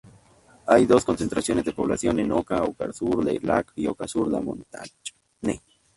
Hay dos concentraciones de población en Oka: Oka-sur-le-Lac y Oka-sur-la-Montagne.